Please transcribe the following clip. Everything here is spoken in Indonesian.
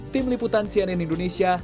tim liputan cnn indonesia